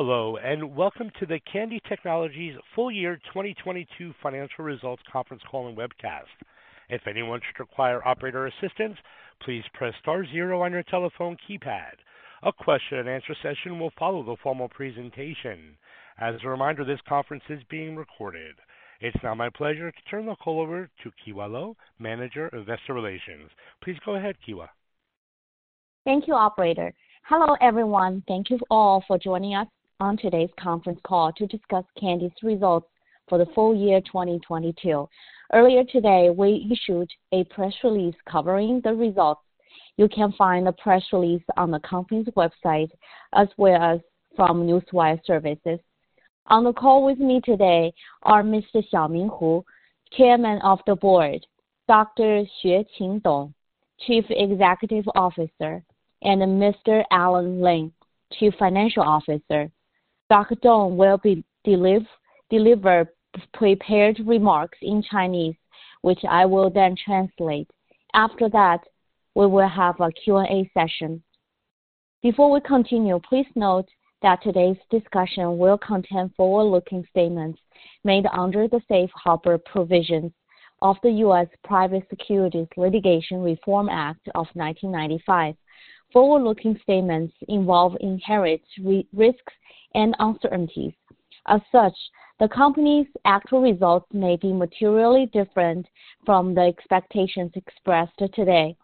Hello, welcome to the Kandi Technologies Full Year 2022 Financial Results Conference Call and Webcast. If anyone should require operator assistance, please press star zero on your telephone keypad. A question and answer session will follow the formal presentation. As a reminder, this conference is being recorded. It's now my pleasure to turn the call over to Kewa Luo, Manager, Investor Relations. Please go ahead, Kewa. Thank you, operator. Hello everyone, thank you all for joining us on today's conference call to discuss Kandi's results for the full year 2022. Earlier today, we issued a press release covering the results. You can find the press release on the company's website as well as from Newswire services. On the call with me today are Mr. Xiaoming Hu, Chairman of the board, Dr. Xueqin Dong, Chief Executive Officer, and Mr. Alan Lim, Chief Financial Officer. Dr. Dong will deliver prepared remarks in Chinese, which I will then translate. After that, we will have a Q&A session. Before we continue, please note that today's discussion will contain forward-looking statements made under the Safe Harbor Provisions of the U.S. Private Securities Litigation Reform Act of 1995. Forward-looking statements involve inherent risks and uncertainties. As such, the company's actual results may be materially different from the expectations expressed today.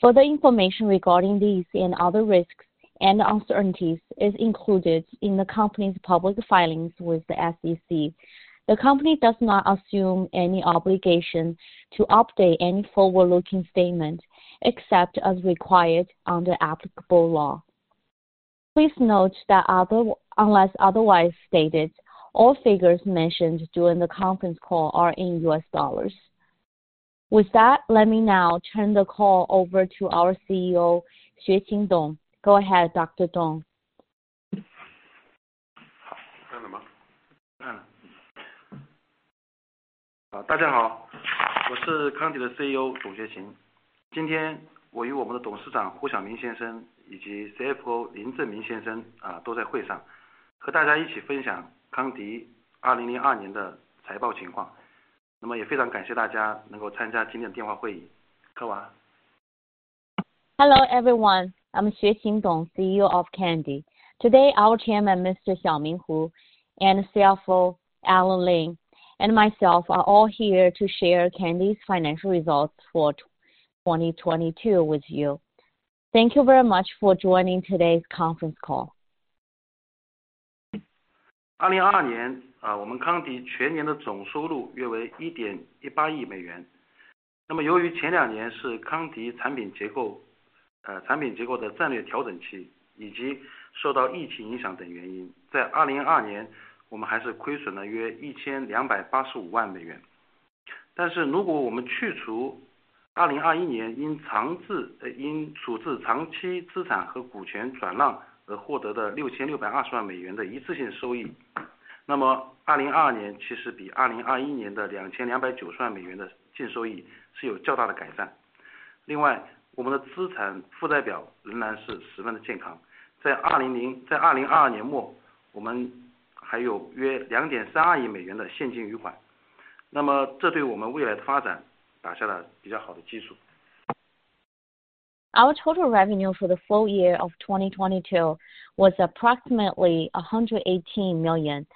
Further information regarding these and other risks and uncertainties is included in the company's public filings with the SEC. The company does not assume any obligation to update any forward-looking statement, except as required under applicable law. Please note that unless otherwise stated, all figures mentioned during the conference call are in U.S. dollars. With that, let me now turn the call over to our CEO, Xueqin Dong. Go ahead, Dr. Dong. 好， 开着 吗？ 好， 大家 好， 我是 Kandi 的 CEO， 董学勤。今天我与我们的董事长胡晓明先生以及 CFO 林振明先 生， 都在会 上， 和大家一起分享康迪2002年的财报情况。也非常感谢大家能够参加今天的电话会议。Kewa. Hello everyone, I'm Xueqin Dong, CEO of Kandi. Today our Chairman Mr. Xiao Ming Hu and CFO Alan Lim and myself are all here to share Kandi's financial results for 2022 with you. Thank you very much for joining today's conference call. 2022 年， 我们 Kandi 全年的总收入约为 $118 billion。由于前两年是 Kandi 产品结 构， 产品结构的战略调整 期， 以及受到 COVID 影响等原 因， 在2022年我们还是亏损了约 $12.9 million。如果我们去除2021年因处置长期资产和股权转让而获得的 $66.2 million 的一次性收 益， 2023年其实比2021年的 $22.90 million 的净收益是有较大的改善。另 外， 我们的资产负债表仍然是十分的健康。在2002年 末， 我们还有约 $232 million 的现金余 款， 这对我们未来的发展打下了比较好的基础。Our total revenue for the full year of 2022 was approximately $118 million.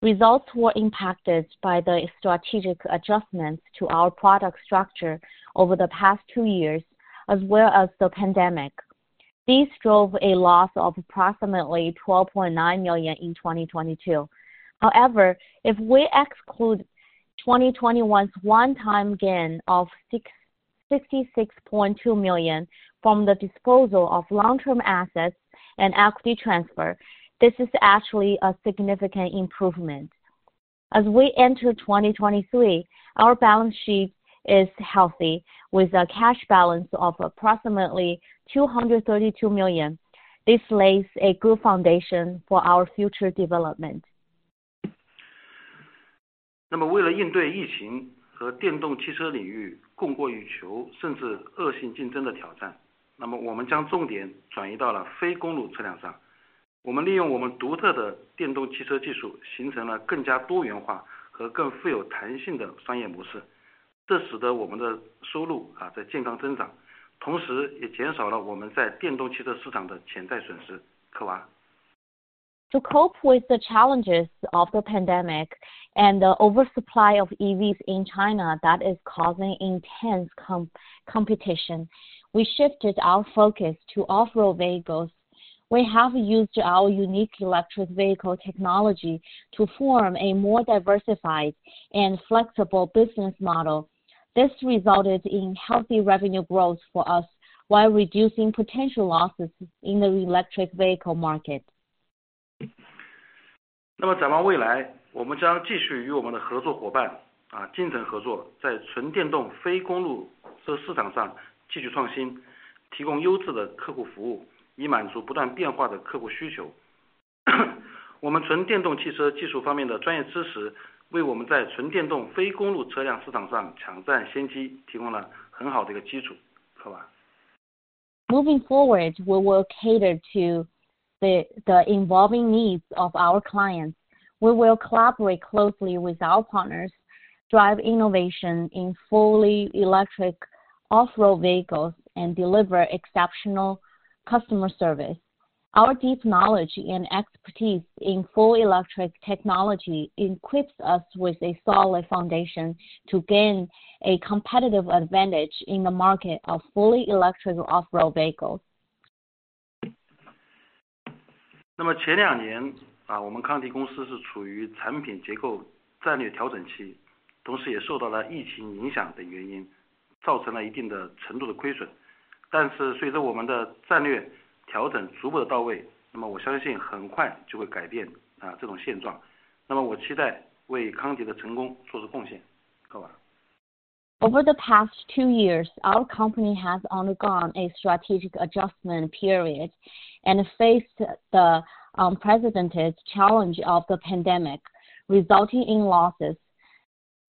Results were impacted by the strategic adjustments to our product structure over the past two years as well as the pandemic. These drove a loss of approximately $12.9 million in 2022. However, if we exclude 2021's one-time gain of $66.2 million from the disposal of long term assets and equity transfer, this is actually a significant improvement. As we enter 2023, our balance sheet is healthy with a cash balance of approximately $232 million. This lays a good foundation for our future development. 为了应对疫情和电动汽车领域供过于 求， 甚至恶性竞争的挑 战， 那么我们将重点转移到了非公路车辆 上. 我们利用我们独特的电动汽车技 术， 形成了更加多元化和更富有弹性的商业模 式， 这使得我们的收入在健康增 长， 同时也减少了我们在电动汽车市场的潜在损 失. Kewa. To cope with the challenges of the pandemic and the oversupply of EVs in China that is causing intense competition, we shifted our focus to off-road vehicles. We have used our unique electric vehicle technology to form a more diversified and flexible business model. This resulted in healthy revenue growth for us while reducing potential losses in the electric vehicle market. 展望未 来， 我们将继续与我们的合作伙伴精诚合 作， 在纯电动非公路车市场上继续创 新， 提供优质的客户服 务， 以满足不断变化的客户需求。我们纯电动汽车技术方面的专业知 识， 为我们在纯电动非公路车辆市场上抢占先机提供了很好的一个基础。Kewa. Moving forward, we will cater to the evolving needs of our clients. We will collaborate closely with our partners to drive innovation in fully electric off-road vehicles and deliver exceptional customer service. Our deep knowledge and expertise in full electric technology equips us with a solid foundation to gain a competitive advantage in the market of fully electric off-road vehicles. 前两 年， 我们康迪公司是处于产品结构战略调整 期， 同时也受到了疫情影响等原 因， 造成了一定的程度的亏损。随着我们的战略调整逐步的到 位， 我相信很快就会改变这种现 状， 我期待为康迪的成功做出贡献。科瓦。Over the past two years, our company has undergone a strategic adjustment period and faced the unprecedented challenge of the pandemic, resulting in losses.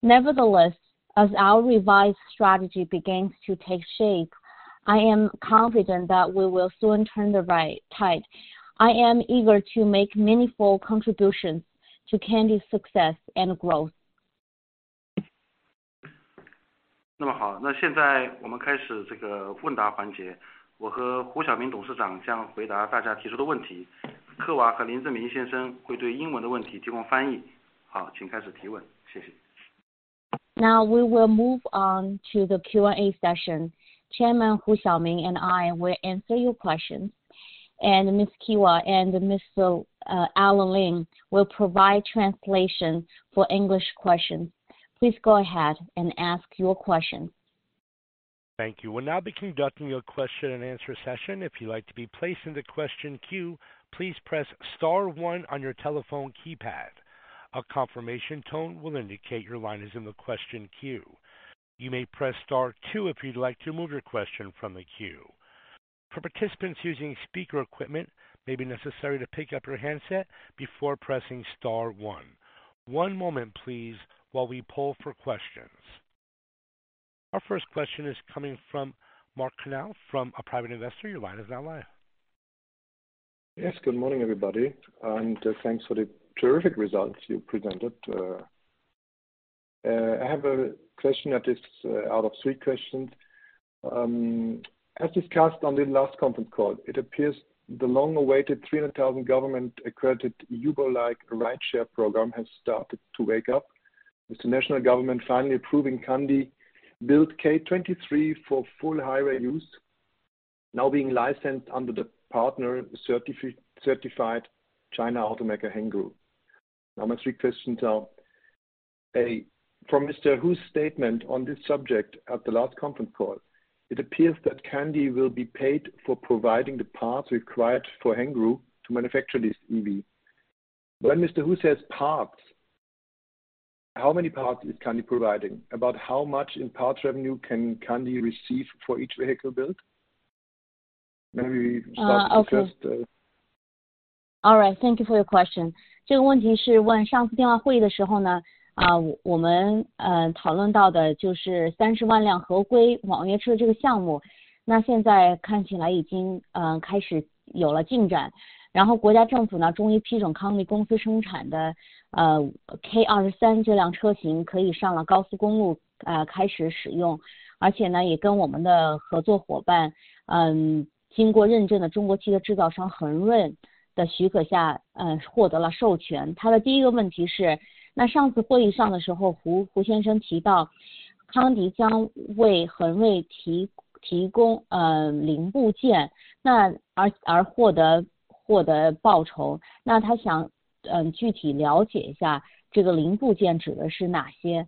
Nevertheless, as our revised strategy begins to take shape, I am confident that we will soon turn the right tide. I am eager to make meaningful contributions to Kandi's success and growth. 现在我们开始这个问答环 节， 我和 Hu Xiaoming 董事长将回答大家提出的问 题， Kewa 和林志明先生会对英文的问题提供翻译。请开始提问。谢谢。Now we will move on to the Q&A session. Chairman Hu Xiaoming and I will answer your questions. Ms. Kewa and Mr. Alan Lim will provide translation for English questions. Please go ahead and ask your questions. Thank you. We'll now be conducting your question and answer session. If you'd like to be placed in the question queue, please press star one on your telephone keypad. A confirmation tone will indicate your line is in the question queue. You may press star two if you'd like to remove your question from the queue. For participants using speaker equipment, may be necessary to pick up your handset before pressing star one. One moment please while we pull for questions. Our first question is coming from Mark Canal from a private investor. Your line is now live. Yes, good morning, everybody, thanks for the terrific results you presented. I have a question that is out of three questions. As discussed on the last conference call, it appears the long-awaited 300,000 government-accredited Uber-like rideshare program has started to wake up with the national government finally approving Kandi build K23 for full highway use now being licensed under the partner certified China automaker Hengrun. My three questions are: A, from Mr. Hu's statement on this subject at the last conference call, it appears that Kandi will be paid for providing the parts required for Hengrun to manufacture this EV. When Mr. Hu says parts, how many parts is Kandi providing? About how much in parts revenue can Kandi receive for each vehicle built? Maybe we start with just. All right. Thank you for your question. 这个问题是问上次电话会的时候 呢， 我们讨论到的就是 300,000 辆合规网约车这个项目。现在看起来已经开始有了进展。国家政府 呢， 终于批准 Kandi 生产的 K23 这辆车型可以上了高速公 路， 开始使用。也跟我们的合作伙 伴， 经过认证的中国汽车制造商 Hengrun Automobile 的许可 下， 获得了授权。他的第一个问题 是， 上次会议上的时 候， Mr. Hu 提到 Kandi 将为 Hengrun Automobile 提供零部 件， 而获得报酬。他想具体了解一下这个零部件指的是哪些。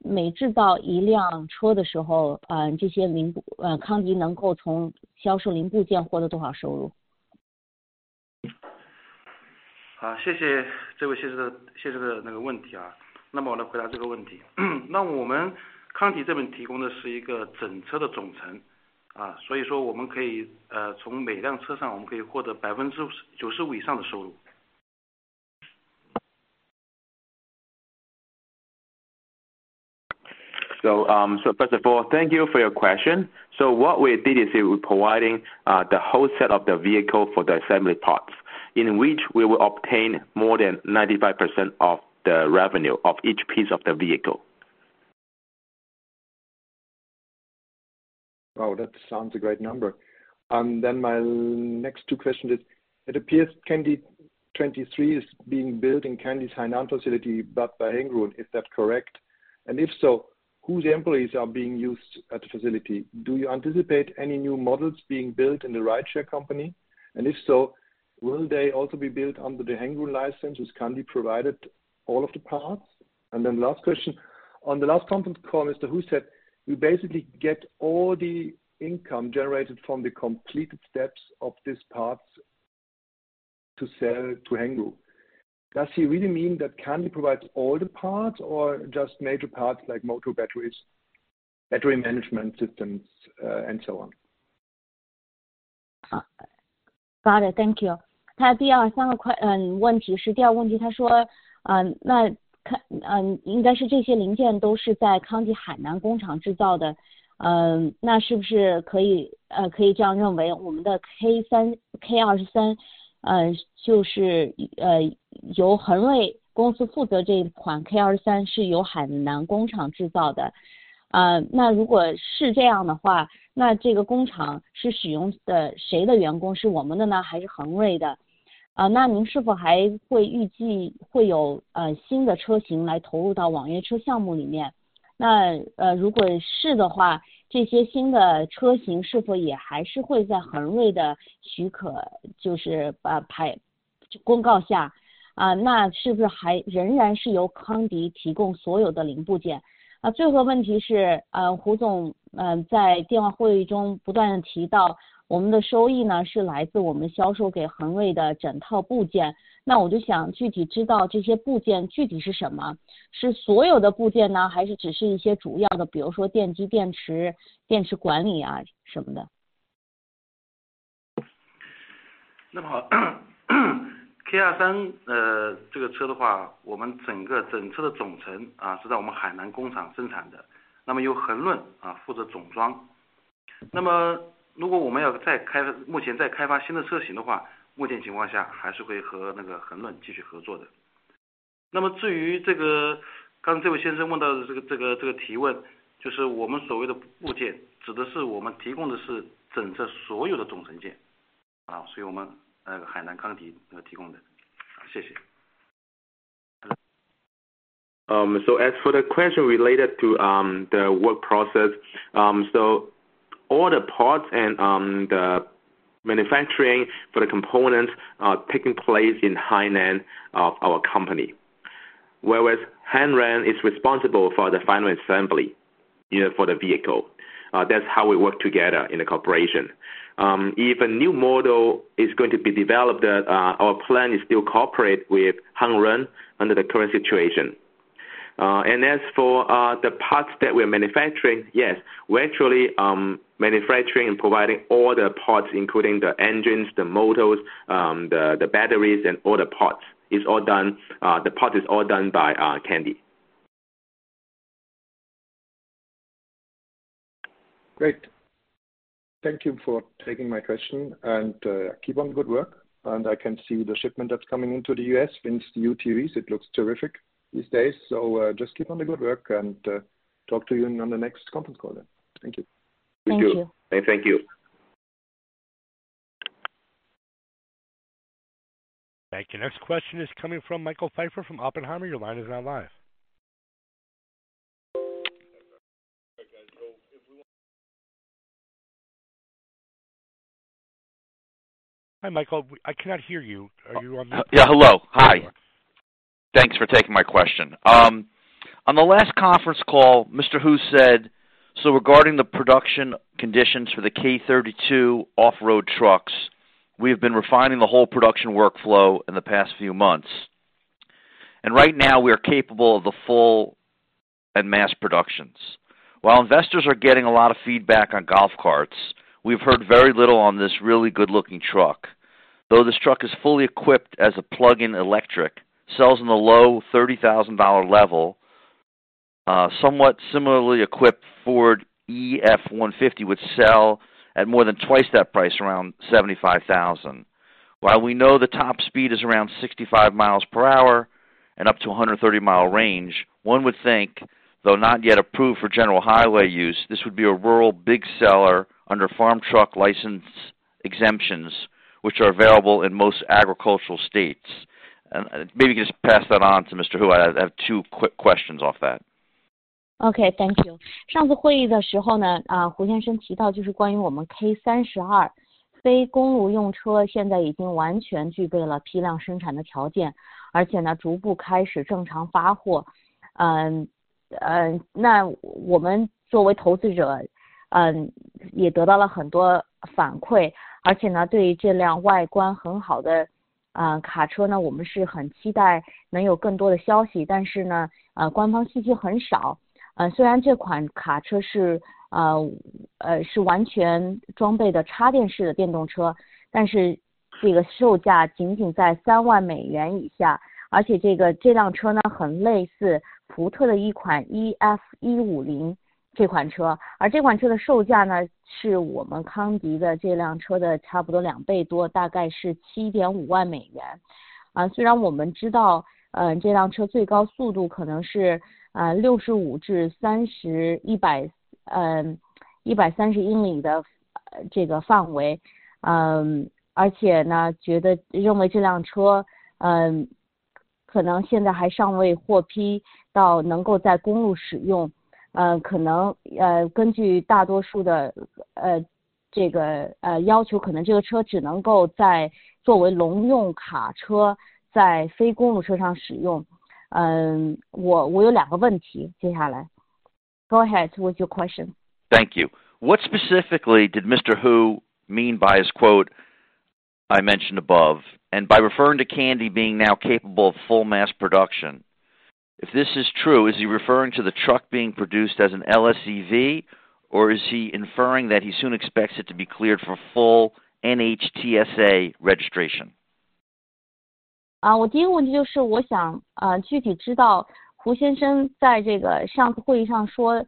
每制造一辆车的时 候， Kandi 能够从销售零部件获得多少收入。好， 谢谢这位先 生， 先生的那个问题。我来回答这个问题。我们康迪这边提供的是一个整车的总成，所以说我们可以从每辆车上我们可以获得 95% 以上的收入。First of all, thank you for your question. What we did is we're providing the whole set of the vehicle for the assembly parts in which we will obtain more than 95% of the revenue of each piece of the vehicle. That sounds a great number. My next two questions is, it appears Kandi K23 is being built in Kandi's Hainan facility, but by Hengrun. Is that correct? If so, whose employees are being used at the facility? Do you anticipate any new models being built in the rideshare company? If so, will they also be built under the Hengrun license as Kandi provided all of the parts? Last question. On the last conference call, Mr. Hu said we basically get all the income generated from the completed steps of these parts to sell to Hengrun. Does he really mean that Kandi provides all the parts or just major parts like motor batteries, battery management systems, and so on? Got it. Thank you。他第二三个 块， 嗯， 问题是第二问 题， 他 说， 嗯， 那 看， 嗯， 应该是这些零件都是在康迪海南工厂制造 的， 嗯， 那是不是可 以， 呃， 可以这样认 为， 我们的 K 三 K 二十 三， 呃， 就 是， 呃， 由恒睿公司负 责， 这款 K 二十三是由海南工厂制造的。啊， 那如果是这样的 话， 那这个工厂是使用的谁的员 工？ 是我们的呢还是恒睿的？ 啊， 那您是否还会预计会 有， 呃， 新的车型来投入到网约车项目里 面？ 那， 呃， 如果是的 话， 这些新的车型是否也还是会在恒睿的许 可， 就 是， 呃， 牌， 公告 下， 啊， 那是不是还仍然是由康迪提供所有的零部 件？ 啊， 最后一个问题 是， 呃， 胡 总， 呃， 在电话会议中不断地提到我们的收益 呢， 是来自我们销售给恒睿的整套部 件， 那我就想具体知道这些部件具体是什 么， 是所有的部件 呢， 还是只是一些主要 的， 比如说电机、电池、电池管理啊什么的。K23, this car, our entire vehicle assembly is produced in our Hainan factory, and Hengrun is responsible for the final assembly. If we are to develop, currently developing new models, under the current situation, we will still continue to cooperate with Hengrun. As for this, the question this gentleman just asked, this question, that is, what we call parts, refers to all the assembly parts of the entire vehicle that we provide. So, our Hainan Kandi provides them. Thank you. As for the question related to the work process, all the parts and the manufacturing for the components are taking place in Hainan of our company, whereas Hengrun is responsible for the final assembly, you know, for the vehicle, that's how we work together in the cooperation. If a new model is going to be developed, our plan is still cooperate with Hengrun under the current situation. As for the parts that we're manufacturing, yes, we're actually manufacturing and providing all the parts, including the engines, the motors, the batteries and all the parts. It's all done, the parts all done by our Kandi. Great! Thank you for taking my question and keep on the good work. I can see the shipment that's coming into the U.S. since NEVs it looks terrific these days. Just keep on the good work and talk to you on the next conference call then. Thank you. Thank you. Thank you. Thank you. Next question is coming from Michael Pfeffer from Oppenheimer. Your line is now live. Hi Michael, I cannot hear you. Are you on? Yeah, hello, hi. Thanks for taking my question. On the last conference call, Mr. Hu said, "Regarding the production conditions for the K32 off-road trucks, we've been refining the whole production workflow in the past few months, and right now we are capable of the full and mass productions." While investors are getting a lot of feedback on golf carts, we've heard very little on this really good looking truck, though this truck is fully equipped as a plug-in electric, sells in the low $30,000 level, somewhat similarly equipped Ford F-150 would sell at more than twice that price, around $75,000. While we know the top speed is around 65 miles per hour and up to a 130 mile range, one would think, though not yet approved for general highway use, this would be a rural big seller under farm truck license exemptions which are available in most agricultural states. Maybe just pass that on to Mr. Hu, I have two quick questions off that. OK，thank you。上次会议的时候 呢， 啊， 胡先生提到就是关于我们 K 三十二非公路用 车， 现在已经完全具备了批量生产的条 件， 而且呢逐步开始正常发货。嗯， 那我们作为投资 者， 嗯， 也得到了很多反馈。而且 呢， 对于这辆外观很好 的， 呃， 卡车 呢， 我们是很期待能有更多的消 息， 但是 呢， 呃， 官方信息很少。呃， 虽然这款卡车 是， 呃， 是完全装备的插电式的电动 车， 但是这个售价仅仅在三万美元以 下， 而且这个这辆车 呢， 很类似福特的一款 E 一五零这款 车， 而这款车的售价 呢， 是我们康迪的这辆车的差不多两倍 多， 大概是七点五万美元。啊， 虽然我们知 道， 嗯， 这辆车最高速度可能 是， 啊， 六十五至三十一 百， 呃， 一百三十英里的这个范 围， 嗯， 而且 呢， 觉得认为这辆 车， 嗯， 可能现在还尚未获批到能够在公路使用， 嗯， 可 能， 呃， 根据大多数 的， 呃， 这 个， 呃， 要 求， 可能这个车只能够在作为农用卡车在非公路车上使用。嗯， 我， 我有两个问 题， 接下来。Go ahead with your question。Thank you. What specifically did Mr. Hu mean by his quote I mentioned above? By referring to Kandi being now capable of full mass production. If this is true, is he referring to the truck being produced as an LSEV or is he inferring that he soon expects it to be cleared for full NHTSA registration? 啊我第一个问题就是我想呃具体知道胡先生在这个上次会议上 说，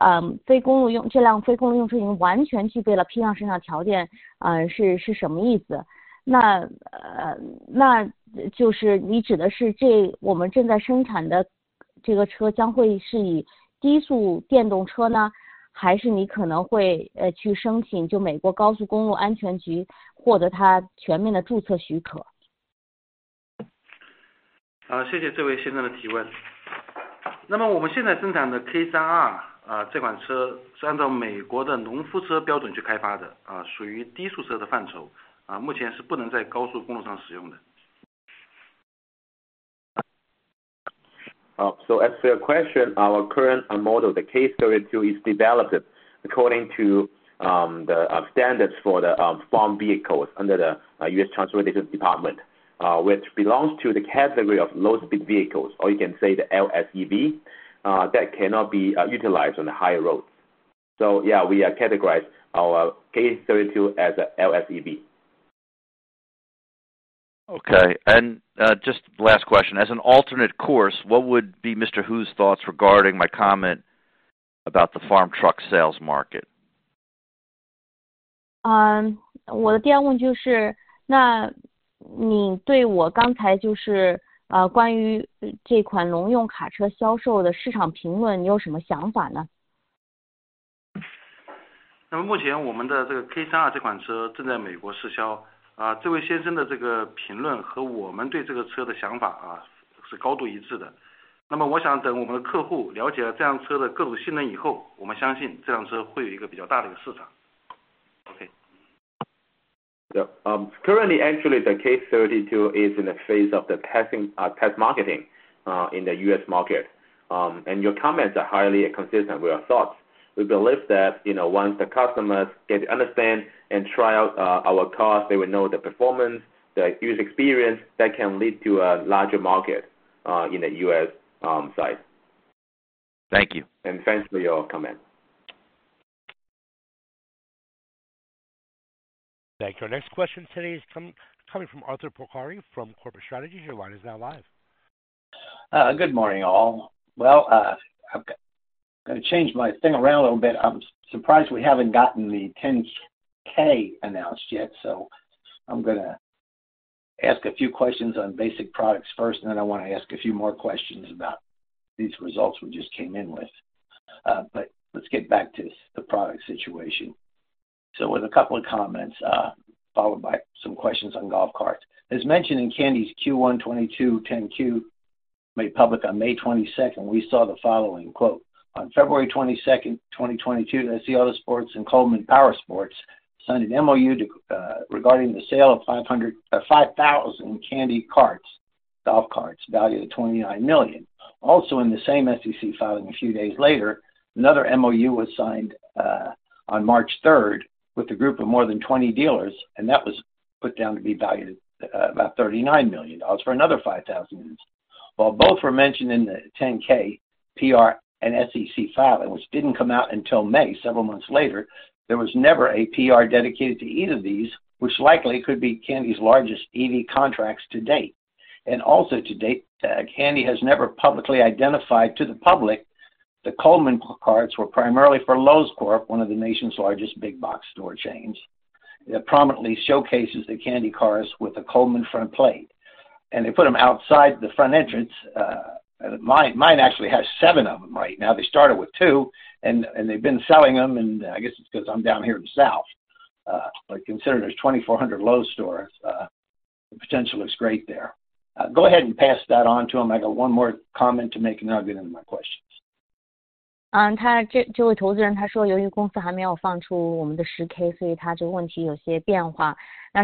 呃， 非公路用--这辆非公用车型完全具备了批量生产条 件， 啊是是什么意 思？ 那 呃， 那就是你指的是这我们正在生产的这个车将会是以低速电动车 呢， 还是你可能会呃去申请就美国高速公路安全局获得它全面的注册许可。啊谢谢这位先生的提问。那么我们现在生产的 K32 啊这款车是按照美国的农夫车标准去开发 的， 啊属于低速车的范 畴， 啊目前是不能在高速公路上使用的。As to your question, our current model, the K32 is developed according to the standards for the farm vehicle under the United States Department of Transportation, which belongs to the category of low-speed vehicles. You can say the LSEV that cannot be utilized on the high road. Yeah, we are categorized our K32 as LSEV. Okay. Just last question, as an alternate course, what would be Mr. Hu's thoughts regarding my comment about the farm truck sales market? 我的第二问就 是， 那你对我刚才就 是， 关于这款农用卡车销售的市场评 论， 你有什么想法 呢？ 那么目前我们的这个 K32 这款车正在美国试 销. 这位先生的这个评论和我们对这个车的想法是高度一致 的. 那么我想等我们的客户了解了这辆车的各种性能以 后, 我们相信这辆车会有一个比较大的一个市 场. Okay. Currently, actually the K32 is in the phase of the test marketing in the U.S. market. Your comments are highly consistent with our thoughts. We believe that, you know, once the customers get to understand and try out our car, they will know the performance, the use experience that can lead to a larger market in the U.S. side. Thank you. Thanks for your comment. Thank you. Our next question today is coming from Arthur Porcari from Corporate Strategies. Your line is now live. Good morning all. I'm gonna change my thing around a little bit. I'm surprised we haven't gotten the 10K announced yet. I'm gonna ask a few questions on basic products first, and then I want to ask a few more questions about these results we just came in with. Let's get back to the product situation. With a couple of comments followed by some questions on golf carts, as mentioned in Kandi's Q122 10-Q made public on May 22, we saw the following quote: On February 22, 2022, the Auto Sports and Coleman Powersports signed an MOU regarding the sale of 5,000 Kandi carts, golf carts valued at $29 million. In the same SEC filing a few days later, another MOU was signed on March 3 with a group of more than 20 dealers, and that was put down to be valued at about $39 million for another 5,000 units, while both were mentioned in the 10K PR and SEC filings, which didn't come out until May, several months later, there was never a PR dedicated to either of these, which likely could be Kandi's largest EV contracts to date, and to date Kandi has never publicly identified to the public the Coleman carts were primarily for Lowe's Corp., one of the nation's largest big box store chains. It prominently showcases the Kandi cars with a Coleman front plate, and they put them outside the front entrance. Mine actually has seven of them right now. They started with two and they've been selling them. I guess it's because I'm down here in the south, considering there's 2,400 Lowe's stores, the potential is great there. Go ahead and pass that on to him. I got one more comment to make and then I'll give him my questions. 他这位投资人他说由于公司还没有放出我们的 10K， 所以他这个问题有些变化。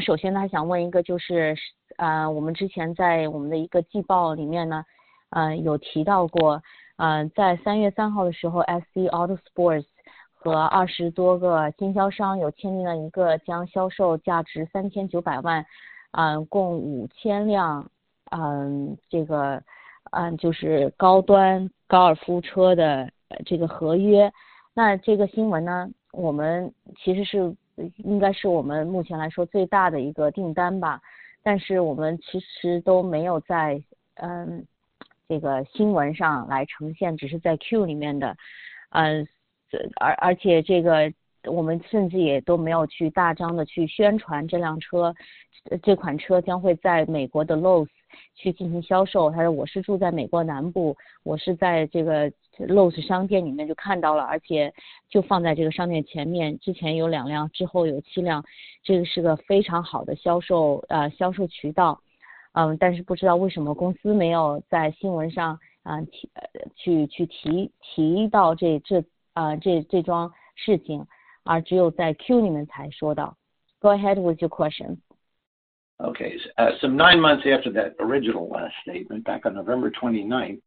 首先他想问一 个， 就 是， 我们之前在我们的一个季报里面 呢， 有提到 过， 在 March 3的时候 ，SC Autosports 和 20多个 经销商有签订了一个将销售价值 $39 million， 共 5,000辆， 这个就是高端高尔夫车的这个合约。这个新闻 呢， 我们其实是应该是我们目前来说最大的一个订单吧。我们其实都没有在这个新闻上来呈 现， 只是在 Q 里面的。这个我们甚至也都没有去大张的去宣传这辆 车， 这款车将会在美国的 Lowe's 去进行销售。他是我是住在美国南 部， 我是在这个 Lowe's 商店里面就看到 了， 就放在这个商店前面。之前有 two辆， 之后有 seven辆。这个是个非常好的销售渠道。不知道为什么公司没有在新闻上去提到这桩事 情， 而只有在 Q 里面才说到。Go ahead with your question. Okay, some nine months after that original last statement back on November 29th,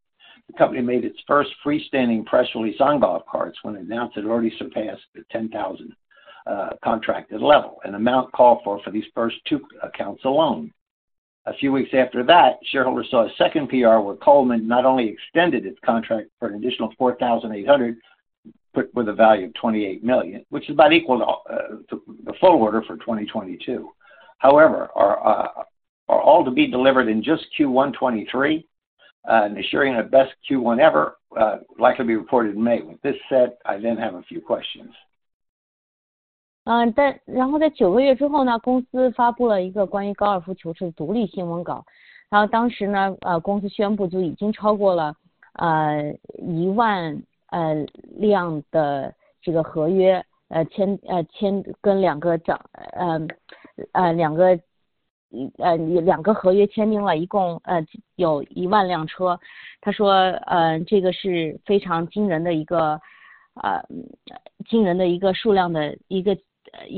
the company made its first freestanding press release on golf carts when it announced it already surpassed the 10,000 Contracted level and amount call for these first two accounts alone. A few weeks after that, shareholders saw a second PR where Coleman not only extended its contract for an additional 4,800, but with a value of $28 million, which is about equal to the full order for 2022. However, are all to be delivered in just Q1 2023, ensuring the best Q1 ever, likely be reported in May. With this said, I then have a few questions. 嗯但然后在九个月之后 呢， 公司发布了一个关于高尔夫球车的独立新闻 稿， 然后当时 呢， 呃公司宣布就已经超过了呃一万呃量的这个合 约， 呃签呃签跟两个 涨... 嗯呃两个呃两个合约签订 了， 一共呃有一万辆 车， 他说嗯这个是非常惊人的一个呃惊人的一个数量的一个一个合约的呃签 订， 嗯而他说我我相信在2023年的第一个季度会这些都会体现在第一个季 度， 会有很会会是五 月， 呃等到五月份的时候会是有史以来最好的一个季度。那接下 来， 呃我我就此有几个问题。Go ahead，Arthur。Okay.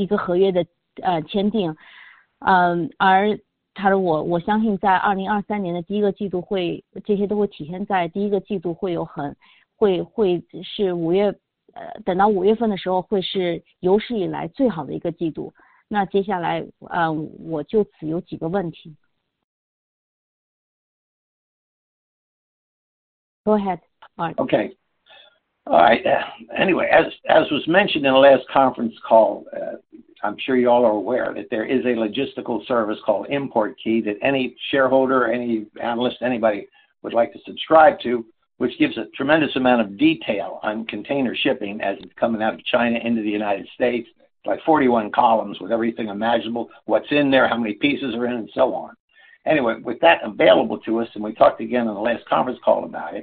As, as was mentioned in the last conference call, I'm sure you all are aware that there is a logistical service called ImportKey that any shareholder or any analyst anybody would like to subscribe to, which gives a tremendous amount of detail on container shipping as it's coming out of China into the United States. Like 41 columns with everything imaginable, what's in there, how many pieces are in, and so on. With that available to us, and we talked again on the last conference call about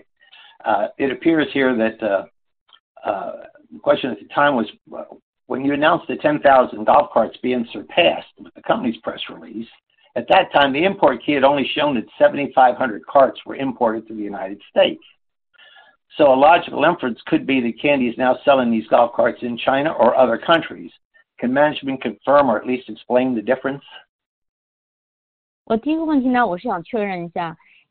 it appears here that the question at the time was when you announced the 10,000 golf carts being surpassed with the company's press release. At that time, the ImportKey had only shown that 7,500 carts were imported to the United States. A logical inference could be the Kandi is now selling these golf carts in China or other countries. Can management confirm or at least explain the difference? 我第一个问题 呢， 我是想确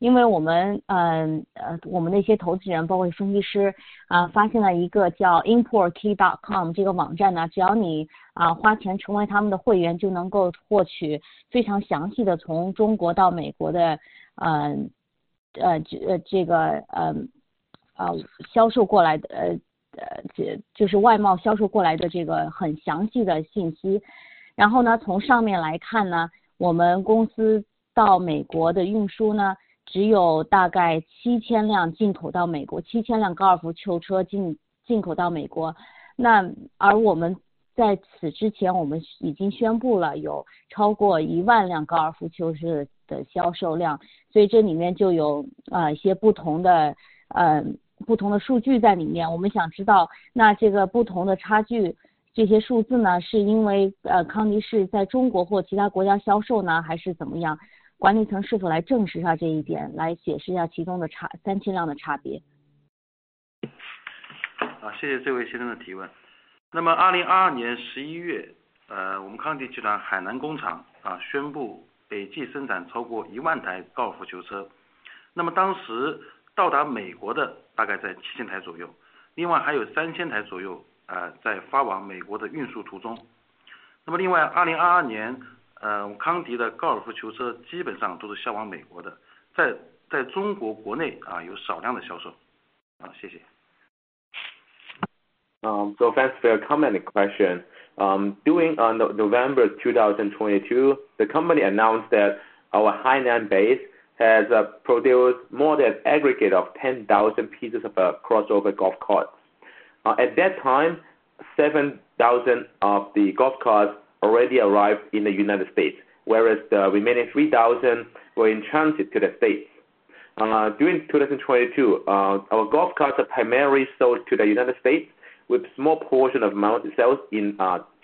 认一 下， 因为我们嗯呃我们的一些投资 人， 包括分析师 啊， 发现了一个叫 Importkey.com 这个网站 呢， 只要你啊花钱成为他们的会 员， 就能够获取非常详细的从中国到美国 的， 嗯呃这呃这个嗯啊销售过来 的， 呃这就是外贸销售过来的这个很详细的信息。然后 呢， 从上面来看 呢， 我们公司到美国的运输呢，只有大概七千辆进口到美 国， 七千辆高尔夫球车进进口到美国。那而我们在此之 前， 我们已经宣布了有超过一万辆高尔夫球车的销售 量， 所以这里面就有啊一些不同的嗯不同的数据在里 面， 我们想知道那这个不同的差 距， 这些数字 呢， 是因为呃康迪是在中国或其他国家销售 呢， 还是怎么 样？ 管理层是否来证实下这一 点， 来解释一下其中的差三千辆的差别。好， 谢谢这位先生的提问。那么2022年11 月， 呃我们康迪集团海南工厂啊宣布累计生产超过一万台高尔夫球 车， 那么当时到达美国的大概在七千台左 右， 另外还有三千台左右啊在发往美国的运输途中。那么另外2022年，呃康迪的高尔夫球车基本上都是销往美国 的， 在在中国国内啊有少量的销售。啊谢谢。Thanks for your comment, question. During on November 2022, the company announced that our high-end base has produced more than aggregate of 10,000 pieces of crossover golf carts. At that time, 7,000 of the golf carts already arrived in the United States, whereas the remaining 3,000 were in transit to the States. During 2022, our golf carts are primarily sold to the United States with small portion of amount sales in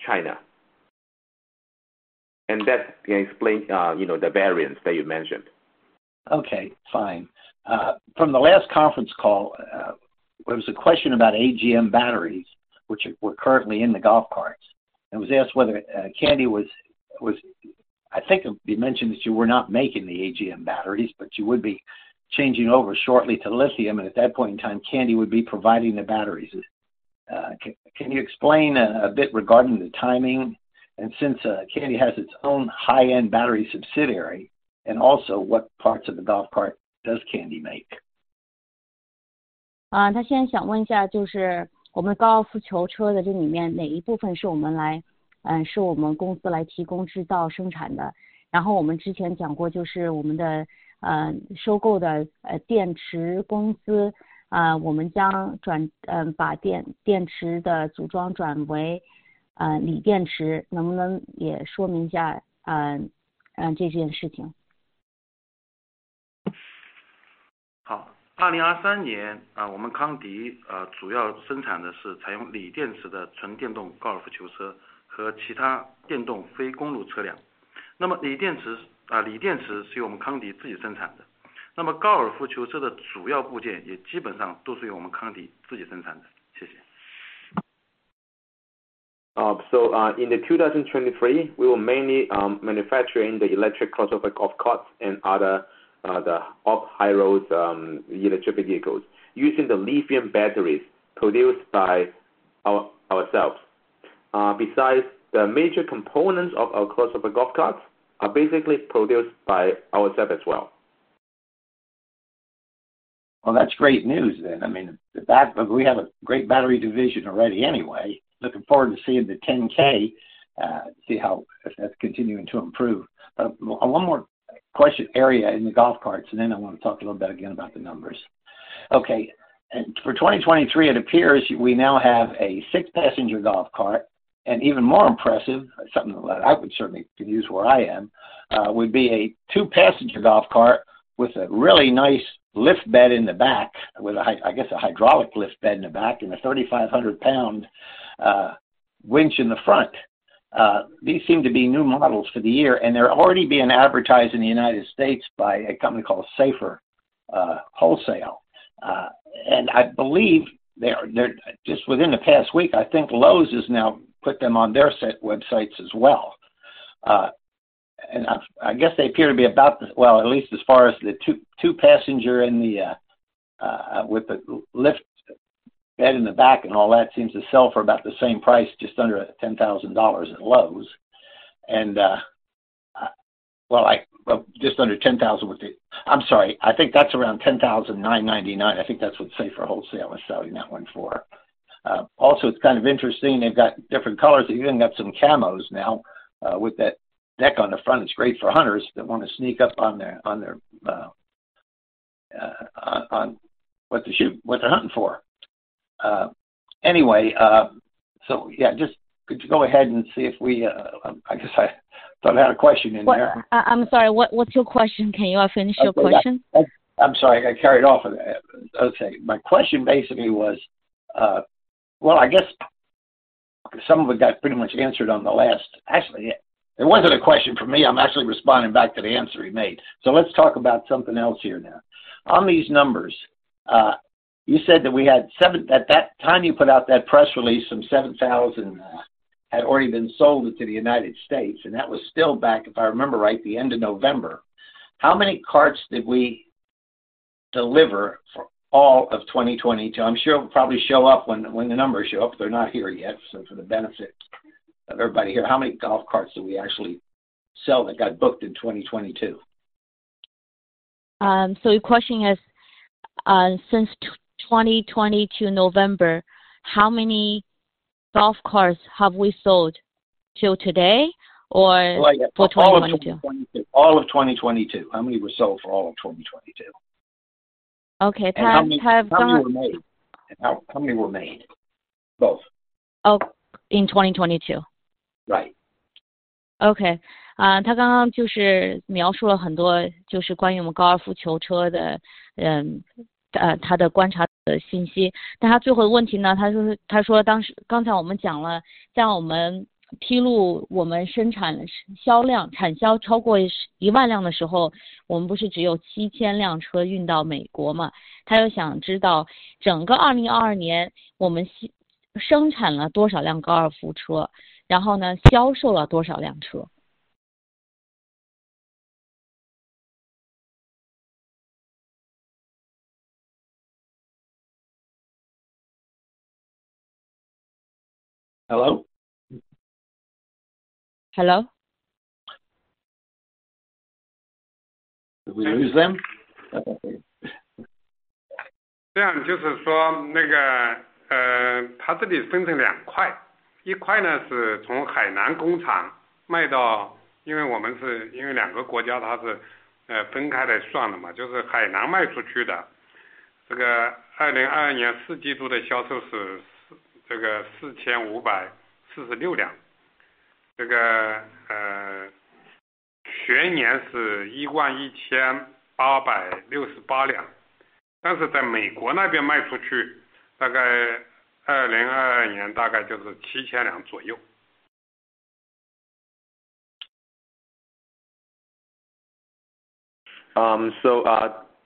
China. That can explain, you know, the variance that you mentioned. Okay, fine. From the last conference call, was a question about AGM batteries, which were currently in the golf carts, and was asked whether Kandi was, I think it'd be mentioned that you were not making the AGM batteries, but you would be changing over shortly to lithium, and at that point in time Kandi would be providing the batteries. Can you explain a bit regarding the timing? Since Kandi has its own high-end battery subsidiary, and also what parts of the golf cart does Kandi make? 他现在想问一 下， 就是我们高尔夫球车的这里面哪一部分是我们 来， 是我们公司来提供制造生产 的？ 我们之前讲 过， 就是我们的收购的电池公 司， 我们将转把电池的组装转为锂电 池， 能不能也说明一 下， 这件事 情？ 好，2023 年，我 们 Kandi 主要生产的是采用锂电池的纯电动高尔夫球车和其他电动非公路车辆。锂电池是我们 Kandi 自己生产 的，高 尔夫球车的主要部件也基本上都是由我们 Kandi 自己生产的。谢谢。In 2023, we will mainly manufacturing the electric crossover golf carts and other the off-road electric vehicles using the lithium batteries produced by our ourselves. Besides the major components of our close-up golf carts are basically produced by ourselves as well. That's great news then. I mean, we have a great battery division already anyway. Looking forward to seeing the 10K, see how that's continuing to improve. On one more question area in the golf carts, and then I wanna talk a little bit again about the numbers. For 2023, it appears we now have a six-passenger golf cart, and even more impressive, something that I would certainly could use where I am, would be a two-passenger golf cart with a really nice lift bed in the back, with I guess a hydraulic lift bed in the back, and a 3,500 pound winch in the front. These seem to be new models for the year, and they're already being advertised in the United States by a company called Safer Wholesale. I believe they're just within the past week, I think Lowe's has now put them on their set websites as well. I guess they appear to be about the... at least as far as the two passenger and the lift bed in the back and all that seems to sell for about the same price, just under $10,000 at Lowe's. just under $10,000 with the... I'm sorry. I think that's around $10,999. I think that's what Safer Wholesale is selling that one for. Also, it's kind of interesting, they've got different colors. They even got some camos now with that deck on the front. It's great for hunters that wanna sneak up on their what to shoot, what they're hunting for. Anyway, yeah, just could you go ahead and see if we. I guess I thought I had a question in there. I'm sorry, what's your question? Can you? I finish your question. I'm sorry. I got carried off with that. Okay. My question basically was, well, I guess some of it got pretty much answered on the last. Actually, it wasn't a question from me. I'm actually responding back to the answer he made. Let's talk about something else here now. On these numbers, you said that we had at that time you put out that press release, some 7,000 had already been sold to the United States, and that was still back, if I remember right, the end of November. How many carts did we deliver for all of 2022? I'm sure it'll probably show up when the numbers show up. They're not here yet. For the benefit of everybody here, how many golf carts did we actually sell that got booked in 2022? Your question is, since 2022 November, how many golf carts have we sold till today? Like, all of 2022. For 2022. All of 2022. How many were sold for all of 2022? Okay. To have. How many were made? How many were made? Both. Oh, in 2022? Right. Okay. There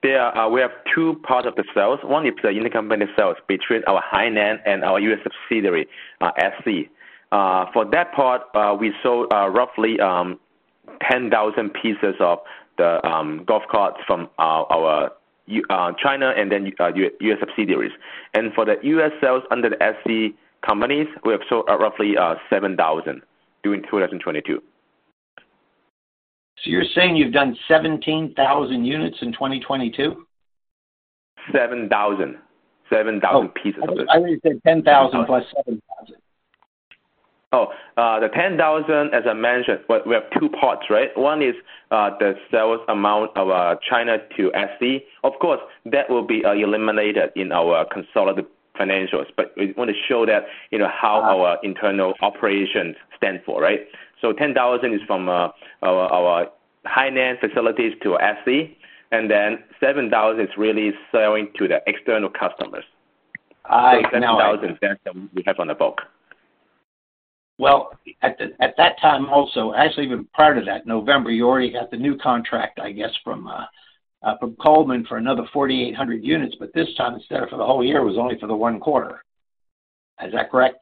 we have two part of the sales. One is the intercompany sales between our Hainan and our U.S. subsidiary, SC. For that part, we sold roughly 10,000 pieces of the golf carts from our China and then U.S. subsidiaries. For the U.S. sales under the SC companies, we have sold roughly 7,000 during 2022. You're saying you've done 17,000 units in 2022? 7,000. 7,000 pieces. Oh. I heard you say 10,000 plus 7,000. The $10,000 as I mentioned, but we have two parts, right? One is, the sales amount of China to SC. Of course, that will be eliminated in our consolidated financials, but we wanna show that, you know, how our internal operations stand for, right? $10,000 is from our Hainan facilities to SC, and then $7,000 is really selling to the external customers. I know. 7,000 that we have on the book. Well, at that time also, actually even prior to that, November, you already got the new contract, I guess, from Coleman for another 4,800 units, but this time instead of for the whole year, it was only for the one quarter. Is that correct?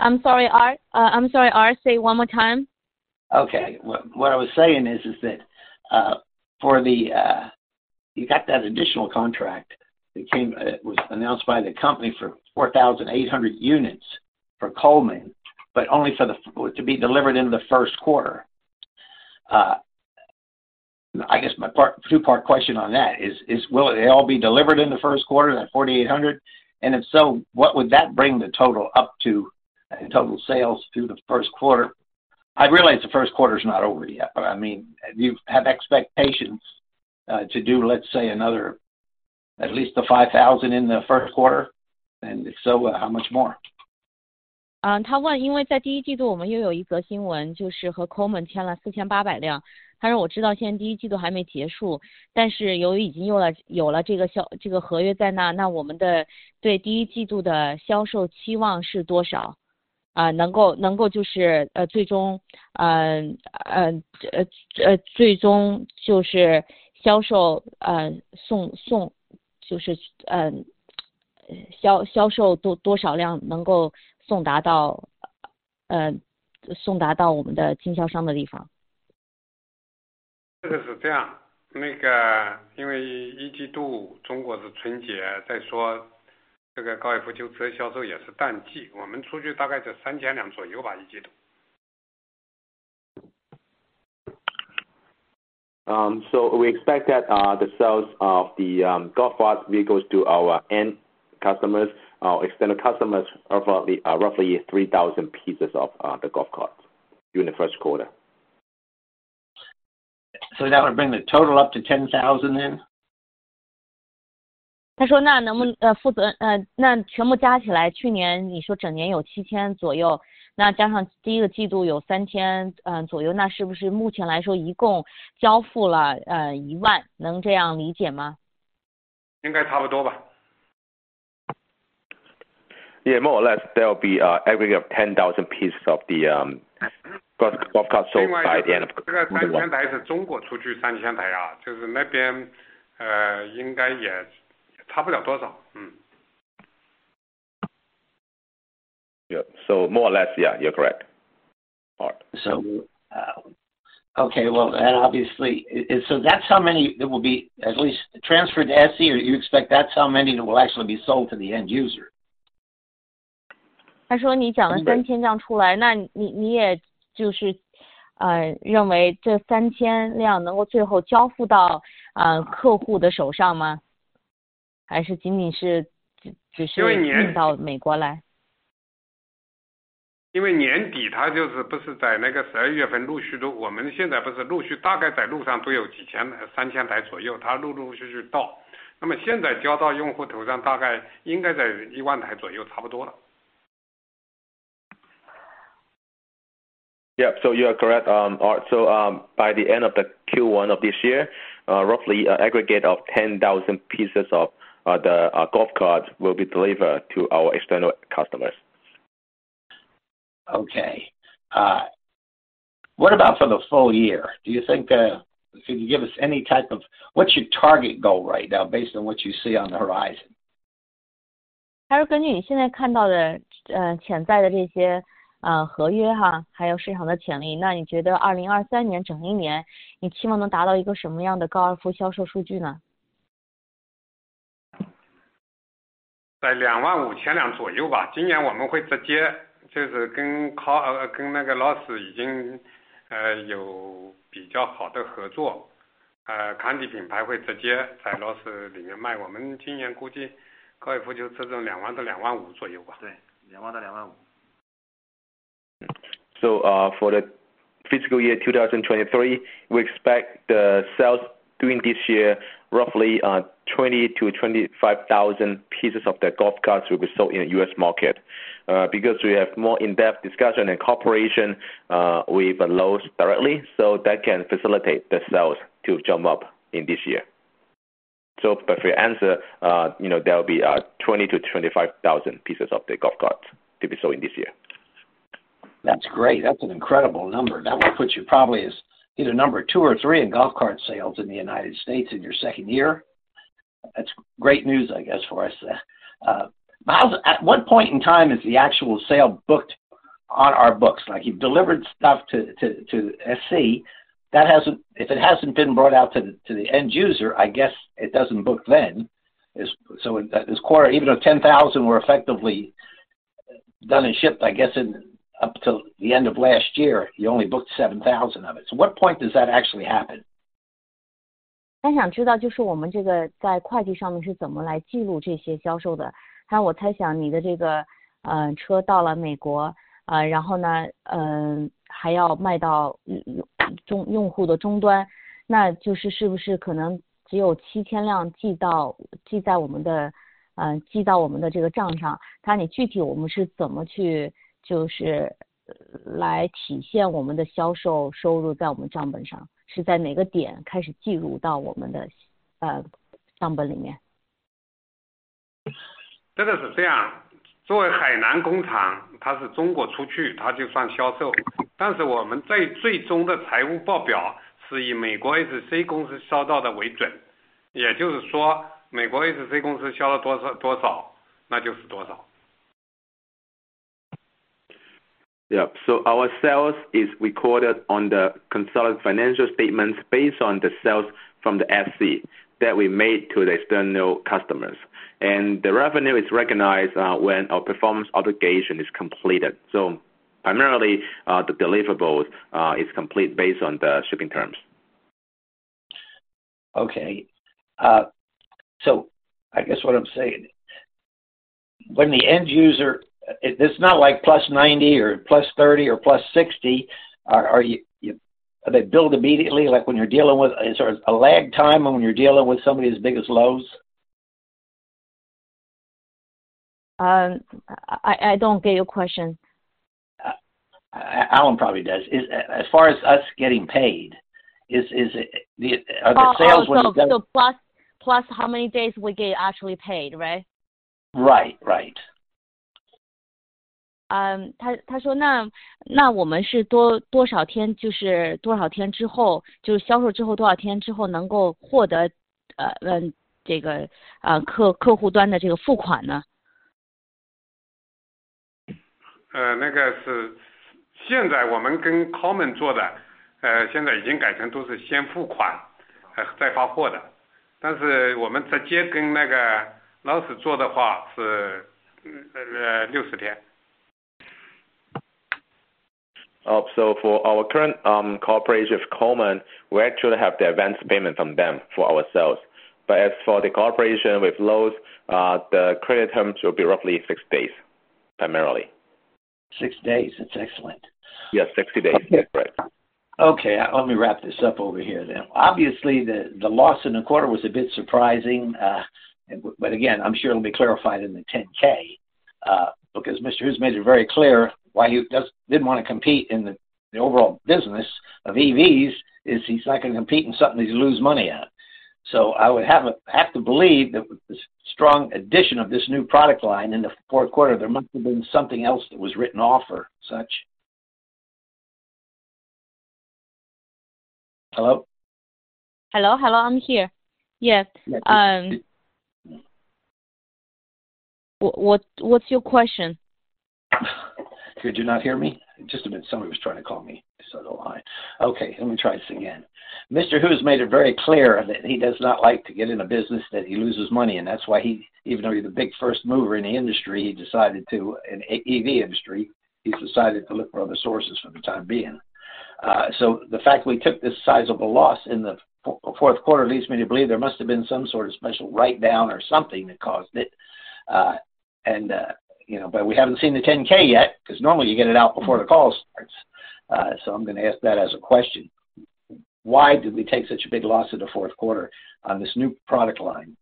I'm sorry, Arthur, say one more time. What I was saying is that for the you got that additional contract became it was announced by the company for 4,800 units for Coleman, but only for the to be delivered in the first quarter. I guess my part two part question on that is will it all be delivered in the first quarter that 4,800? What would that bring the total up to in total sales through the first quarter? I realize the first quarter is not over yet, but I mean you have expectations to do let's say another at least the 5,000 in the first quarter. How much more? 嗯， 他问因为在第一季度我们又有一则新 闻， 就是和 Coleman 签了四千八百辆。他说我知道现在第一季度还没结 束， 但是由于已经有 了， 有了这个 销， 这个合约在 那， 那我们的对第一季度的销售期望是多 少？ 啊能 够， 能够就是呃最 终， 嗯， 呃， 最终就是销 售， 嗯， 送， 送， 就是 嗯， 销， 销售多多少量能够送达 到， 呃， 送达到我们的经销商的地方。这个是这 样， 那个因为一季度中国的春 节， 再说这个高尔夫球车销售也是淡 季， 我们出去大概在 3,000 辆左右 吧， 一季度。We expect that the sales of the golf cart vehicles to our end customers our external customers are roughly 3,000 pieces of the golf cart in the first quarter. That would bring the total up to 10,000 then? 他说那能不能负 责， 那全部加起 来， 去年你说整年有 $7,000 左 右， 那加上第一个季度有 $3,000 左 右， 那是不是目前来说一共交付了 $10,000， 能这样理解 吗？ 应该差不多吧。Yeah, more or less, there will be aggregate of 10,000 pieces of the golf cart sold by the end of. 这个 3,000 台是中国出去 3,000 台， 就是那 边， 应该也差不了多少。More or less, yeah, you're correct. Okay, well obviously so that's how many that will be at least transferred to SC or you expect that's how many that will actually be sold to the end user? 他说你讲了 3,000 辆出 来， 那 你， 你也就 是， 认为这 3,000 辆能够最后交付 到， 客户的手上 吗？ 还是仅仅是只是运到美国来。因为年底他就是不是在那个12月份陆续 的， 我们现在不是陆续大概在路上都有几 千， 3,000 台左 右， 他陆陆续续 到， 那么现在交到用户头 上， 大概应该在 10,000 台左右差不多了。You are correct. By the end of the Q1 of this year, roughly aggregate of 10,000 pieces of the golf cart will be delivered to our external customers. What about for the full year? Do you think could you give us any type of what your target goal right now based on what you see on the horizon? 他说根据你现在看到 的， 潜在的这 些， 合 约， 还有市场的潜 力， 那你觉得2023年整一年你期望能达到一个什么样的高尔夫销售数据 呢？ 在两万五千辆左右吧。今年我们会直接就是跟 low-- 跟那个 Lowe's 已 经， 呃， 有比较好的合 作， 呃， 品牌会直接在 Lowe's 里面 卖， 我们今年估计高尔夫就做到两万到两万五左右吧。对. 两万到两万 五. For the fiscal year 2023, we expect the sales during this year roughly 20,000-25,000 pieces of the golf cart to be sold in the U.S. market. Because we have more in-depth discussion and cooperation with Lowe's directly, so that can facilitate the sales to jump up in this year. For your answer, you know there will be 20,000-25,000 pieces of the golf cart to be sold in this year. That's great. That's an incredible number that will put you probably as either number two or three in golf cart sales in the United States in your second year. That's great news, I guess, for us. How at one point in time is the actual sale booked on our books? Like you've delivered stuff to SC that hasn't if it hasn't been brought out to the end user, I guess it doesn't book then. This quarter, even though 10,000 were effectively done and shipped, I guess, up till the end of last year, you only booked 7,000 of it. What point does that actually happen? 他想知道就是我们这个在会计上面是怎么来记录这些销售 的. 那我猜想你的这 个， 车到了美 国， 然后 呢， 还要卖到用户的终 端， 那就是是不是可能只有七千辆记 到， 记在我们 的， 记到我们的这个账 上， 那你具体我们是怎么去就是来体现我们的销售收入在我们账本 上， 是在哪个点开始计入到我们 的， 账本里 面. 这个是这 样， 作为海南工 厂， 它是中国出 去， 它就算销 售， 但是我们在最终的财务报表是以美国 SC 公司收到的为准。也就是说美国 SC 公司销了多 少， 多 少， 那就是多少。Yeah, our sales is recorded on the consolidated financial statements based on the sales from the SC that we made to the external customers. The revenue is recognized when our performance obligation is completed. Primarily the deliverables is complete based on the shipping terms. Okay, I guess what I'm saying, when the end user, it's not like plus 90 or plus 30 or plus 60, are they billed immediately? Like when you're dealing with a sort of a lag time when you're dealing with somebody as big as Lowe's? I don't get your question. Alan probably does. As far as us getting paid, are the sales... Oh, plus how many days we get actually paid, right? Right，right。他说我们是多少 天， 就是多少天之 后， 就是销售之后多少天之后能够获 得， 这 个， 客户端的这个付款 呢？ 呃， 那个是现在我们跟 Coleman 做 的， 呃， 现在已经改成都是先付 款， 再发货 的， 但是我们在接跟那个 Lowes 做的话是六十天。For our current cooperation with Coleman, we actually have the advance payment from them for ourselves. As for the cooperation with Lowe's, the credit terms will be roughly six days, primarily. Six days? It's excellent. Yes, 60 days. Right. Let me wrap this up over here then. Obviously the loss in the quarter was a bit surprising. Again, I'm sure it'll be clarified in the 10K because Mr. Hu's made it very clear why he didn't want to compete in the overall business of EVs is he's not gonna compete in something he's lose money at. I would have to believe that this strong addition of this new product line in the fourth quarter, there must have been something else that was written off or such. Hello? Hello, I'm here. Yes. What's your question? Did you not hear me? Just a minute, somebody was trying to call me. Okay, let me try this again. Mr. Hu's made it very clear that he does not like to get in a business that he loses money in. That's why he even though he's a big first mover in the industry, in EV industry, he's decided to look for other sources for the time being. The fact we took this sizable loss in the fourth quarter leads me to believe there must have been some sort of special write down or something that caused it. We haven't seen the 10K yet, because normally you get it out before the call starts. I'm going to ask that as a question: Why did we take such a big loss in the fourth quarter on this new product line?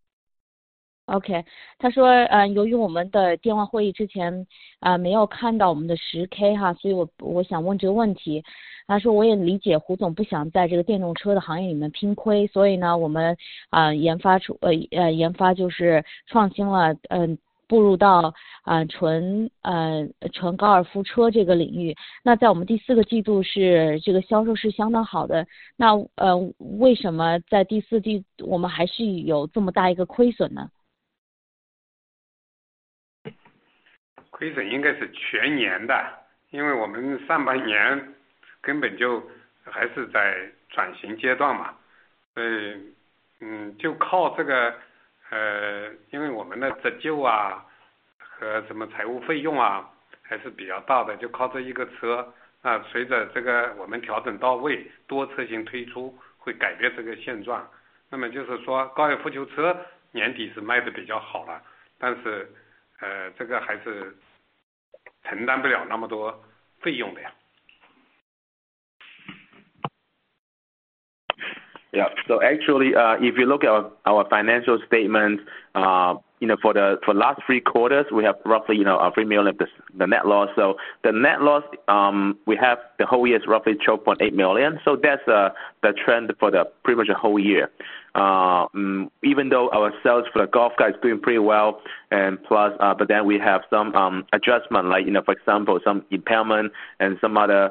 OK。他 说， 呃， 由于我们的电话会议之 前， 呃， 没有看到我们的 10K 哈， 所以 我， 我想问这个问题。他说我也理解胡总不想在这个电动车的行业里面拼 亏， 所以 呢， 我们啊研发 出， 呃， 呃， 研发就是创新 了， 嗯， 步入 到， 啊， 纯， 呃， 纯高尔夫车这个领域。那在我们第四个季度是这个销售是相当好 的， 那， 呃， 为什么在第四季我们还是有这么大一个亏损 呢？ 亏损应该是全年 的， 因为我们上半年根本就还是在转型阶段嘛。就靠这 个， 因为我们的折旧啊和什么财务费用啊还是比较大 的， 就靠这一个车。那随着这个我们调整到 位， 多车型推 出， 会改变这个现状。就是说高尔夫球车年底是卖得比较好 了， 但是这个还是承担不了那么多费用的呀。Yeah, actually, if you look at our financial statements, you know, for the last three quarters, we have roughly, you know, $3 million the net loss. The net loss, we have the whole year is roughly $12.8 million. That's the trend for the pretty much the whole year. Even though our sales for the golf cart is doing pretty well, we have some adjustment like, you know, for example, some impairment and some other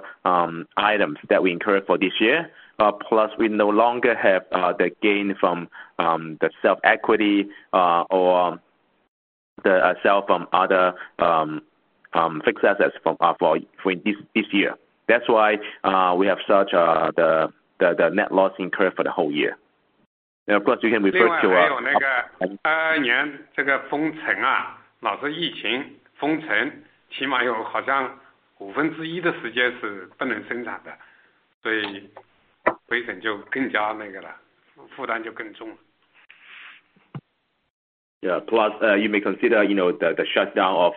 items that we incurred for this year. We no longer have the gain from the self equity, or the sale from other fixed assets for this year. That's why we have such the net loss incurred for the whole year. Of course you can refer to our… 另外还有那个2年这个封 城, 老是疫情封 城, 起码有好像 1/5 的时间是不能生产 的, 所以亏损就更加那个 了, 负担就更重 了. Yeah, plus you may consider, you know, the shutdown of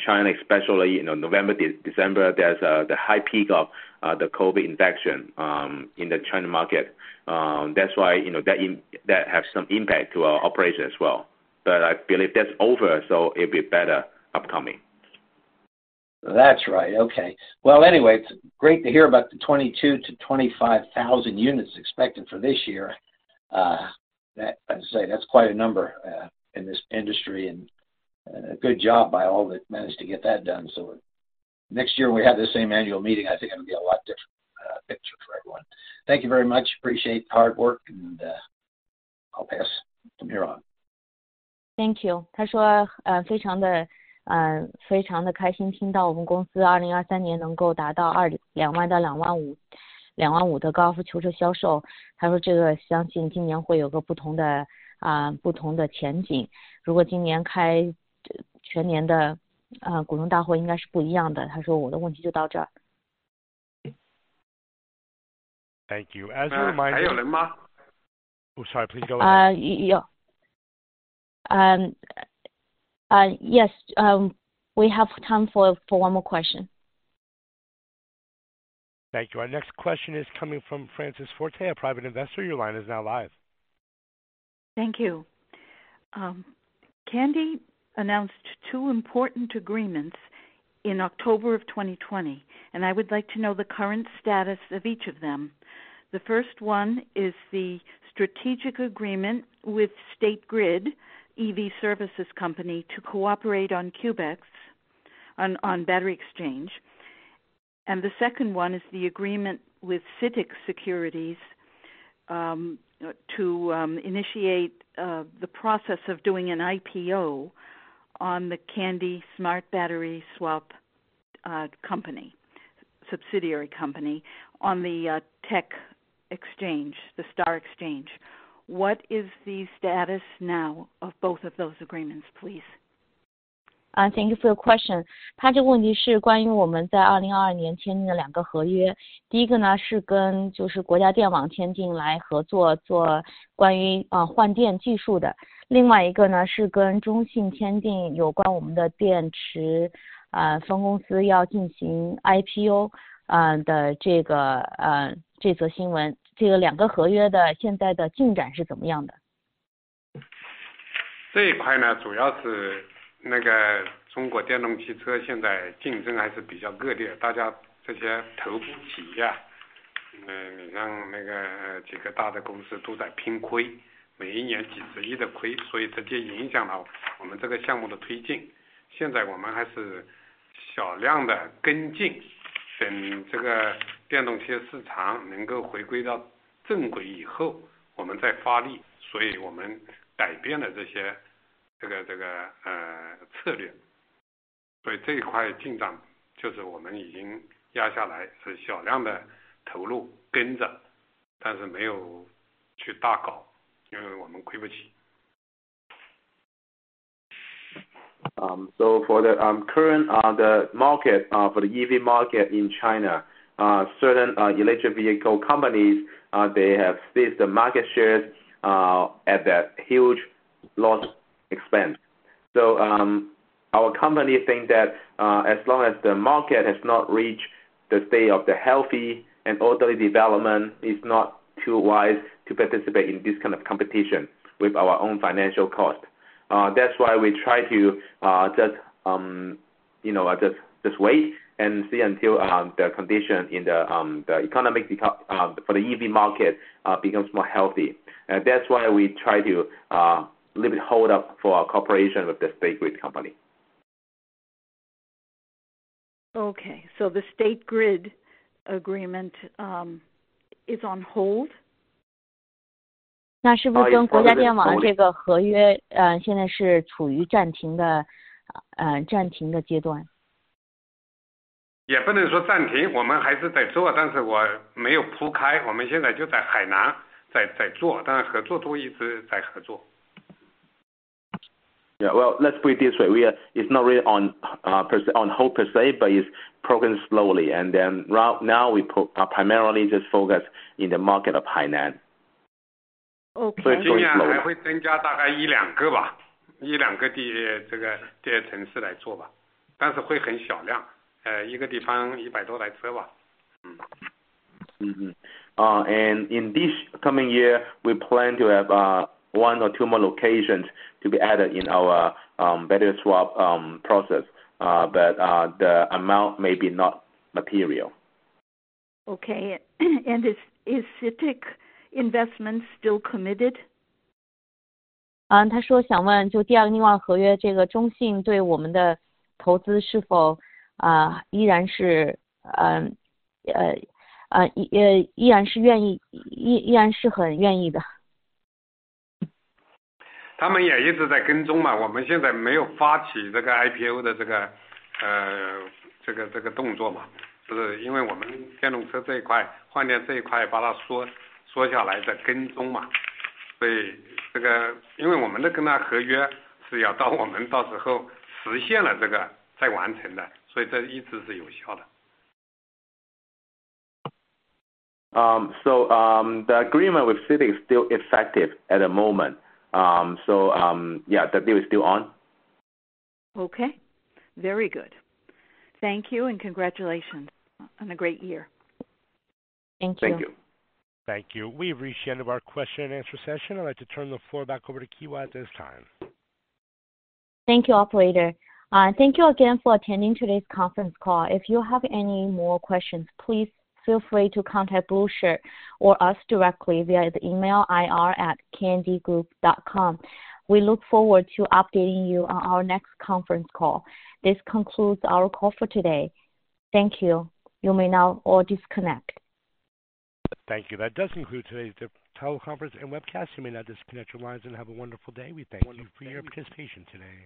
China especially, you know, November, December, there's the high peak of the COVID infection in the China market. That's why, you know, that has some impact to our operation as well. I believe that's over, so it'll be better upcoming. That's right. Okay. Well, anyway, it's great to hear about the 22,000-25,000 units expected for this year. I'd say that's quite a number in this industry, and a good job by all that managed to get that done, so Next year we have the same annual meeting. I think it will be a lot different picture for everyone. Thank you very much. Appreciate the hard work and I'll pass from here on. Thank you. 他说非常的开心听到我们公司2023年能够达到 20,000-25,000, 25,000 的高夫求售销售。他说这个相信今年会有个不同的前景。如果今年开全年的股东大会应该是不一样的。他说我的问题就到这。Thank you, as a reminder- 还有人 吗？ Oh sorry, please go ahead. yes we have time for one more question. Thank you. Our next question is coming from Francis Forte, a private investor. Your line is now live. Thank you. I would like to know the current status of each of them. The first one is the strategic agreement with State Grid EV Service Company to cooperate on Cubex on battery exchange. The second one is the agreement with CITIC Securities to initiate the process of doing an IPO on the Kandi Smart Battery Swap Subsidiary Company on the STAR Market. What is the status now of both of those agreements, please? thank you for your question. 他这个问题是关于我们在2022年签订的两个合 约. 第一个 呢, 是跟就是国家电网签订来合作做关于换电技术 的. 另外一个 呢, 是跟中信签订有关我们的电池分公司要进行 IPO 的这个这则新 闻, 这个两个合约的现在的进展是怎么样 的. 这一块 呢, 主要是那个中国电动汽车现在竞争还是比较恶 劣, 大家这些头部企 业, 你让那个几个大的公司都在拼 亏, 每一年 CNY 几十亿的 亏. 这就影响到我们这个项目的推 进. 现在我们还是小量的跟 进, 等这个电动车市场能够回归到正轨以 后, 我们再发 力, 我们改变了这 些, 这个策 略. 这一块进 展, 就是我们已经压下 来, 是小量的投 入, 跟 着, 但是没有去大 搞, 因为我们亏不 起. For the current the market for the EV market in China, certain electric vehicle companies they have seized the market shares at that huge loss expense. Our company think that as long as the market has not reached the state of the healthy and orderly development is not too wise to participate in this kind of competition with our own financial cost. That's why we try to just you know, wait and see until the condition in the economic become for the EV market becomes more healthy. That's why we try to little bit hold up for our cooperation with the State Grid company. OK, the State Grid agreement is on hold? 那是不是跟国家电网这个合约现在是处于暂停的阶 段? 也不能说暂 停， 我们还是在 做， 但是我没有铺 开， 我们现在就在海南在 做， 但是合作都一直在合作。Yeah, well, let's put it this way. It's not really on hold per se, but it's progress slowly. Now we put primarily just focus in the market of Hainan. OK。今年还会增加大概一两个 吧， 一两个的这个这些城市来做 吧， 但是会很少 量， 一个地方100多台车吧。In this coming year, we plan to have one or two more locations to be added in our battery swap process, but the amount may be not material. OK. Is CITIC investment still committed? 他说想问就第二个另外合 约， 这个 CITIC 对我们的投资是否依然 是， 也依然是愿 意， 依然是很愿意的。他们也一直在跟踪 嘛, 我们现在没有发起这个 IPO 的这个动作 嘛, 就是因为我们电动车这一 块, 换电这一 块, 把它缩下来再跟踪 嘛, 所以这个因为我们的跟它合约是要到我们到时候实现了这个再完成 的, 所以这一直是有效 的. The agreement with CITIC is still effective at the moment. Yeah, the deal is still on. OK, very good. Thank you and congratulations on a great year. Thank you. Thank you. Thank you. We've reached the end of our question and answer session. I'd like to turn the floor back over to Kewa at this time. Thank you, operator. Thank you again for attending today's conference call. If you have any more questions, please feel free to contact Blueshirt or us directly via the email ir@kandigroup.com. We look forward to updating you on our next conference call. This concludes our call for today. Thank you. You may now all disconnect. Thank you. That does include today's teleconference and webcast. You may now disconnect your lines and have a wonderful day. We thank you for your participation today.